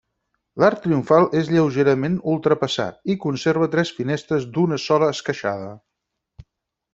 L'arc triomfal és lleugerament ultrapassat, i conserva tres finestres d'una sola esqueixada.